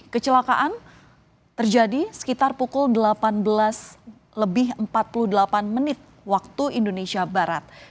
kecelakaan terjadi sekitar pukul delapan belas lebih empat puluh delapan menit waktu indonesia barat